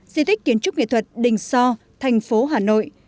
di tích kiến trúc nghệ thuật đình so thành phố hà nội